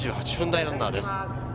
２８分台ランナーです。